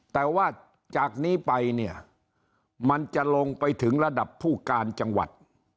แต่ว่าจากนี้ไปเนี่ยมันจะลงไปถึงระดับผู้การจังหวัด